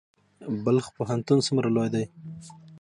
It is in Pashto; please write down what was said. بلخ پوهنتون څومره لوی دی؟